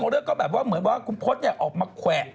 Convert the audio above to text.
ของเรื่องก็แบบที่เหมือนว่าคุณพจน์ออกมาแขวะ